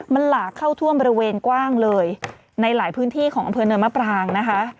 มันหลากเข้าท่วมบริเวณกว้างเลยในหลายพื้นที่ของอำเภอเนินมะปรางนะคะ